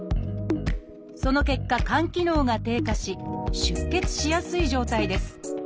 その結果肝機能が低下し出血しやすい状態です。